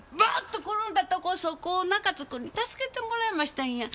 と転んだとこそこを中津君に助けてもらいましたんや。